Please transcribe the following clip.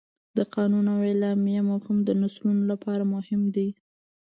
د قانون او اعلامیه مفهوم د نسلونو لپاره مهم دی.